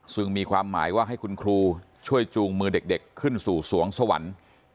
ซึ่งมีความหมายว่าให้คุณครูช่วยจูงมือเด็กขึ้นสู่สวงสวรรค์